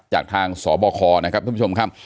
จากทางสบคนะครับท่านผู้ชมครับ